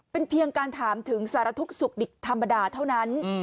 เป็นเพียงการถามถึงสารทุกข์สุขดิกธรรมดาเท่านั้น